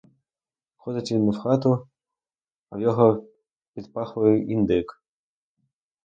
Входить він у хату, а в його під пахвою індик.